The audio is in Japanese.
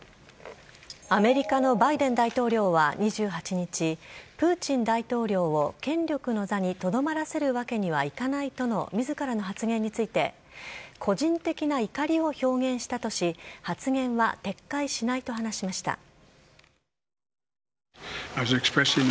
アメリカのバイデン大統領は２８日、プーチン大統領を権力の座にとどまらせるわけにはいかないとのみずからの発言について、個人的な怒りを表現したとし、発言は撤回しないと話しました。